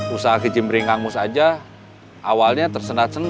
usaha ke jimbring kang mus aja awalnya tersenat senat